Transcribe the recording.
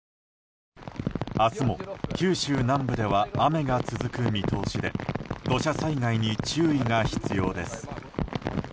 明日も九州南部では雨が続く見通しで土砂災害に注意が必要です。